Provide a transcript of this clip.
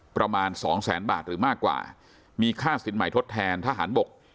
ประมาณสองแสนบาทหรือมากกว่ามีค่าสินใหม่ทดแทนทหารบก